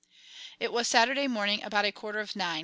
It was Saturday morning about a quarter of nine.